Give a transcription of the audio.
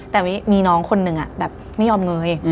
แต่มีน้องคนหนึ่งแบบไม่ยอมเงย